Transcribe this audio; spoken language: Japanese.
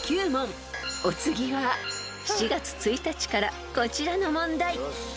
［お次は７月１日からこちらの問題］